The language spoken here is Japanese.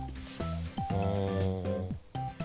うん。